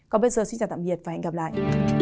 còn bây giờ xin chào tạm biệt và hẹn gặp lại